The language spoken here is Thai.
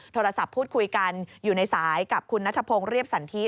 โทรศัพท์พูดคุยกันอยู่ในสายกับคุณนัทพงศ์เรียบสันทิ